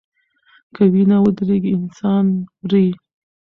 که وینه ودریږي انسان مري.